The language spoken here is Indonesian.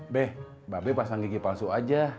be mbak be pasang gigi palsu aja